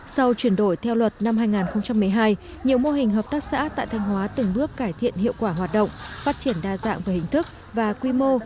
sau chuyển đổi theo luật năm hai nghìn một mươi hai nhiều mô hình hợp tác xã tại thanh hóa từng bước cải thiện hiệu quả hoạt động phát triển đa dạng về hình thức và quy mô